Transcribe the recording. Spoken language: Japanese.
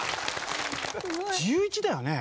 １１だよね？